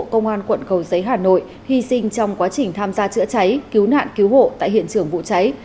công an quận cầu giấy hà nội hy sinh trong quá trình tham gia chữa cháy cứu nạn cứu hộ tại hiện trường vụ cháy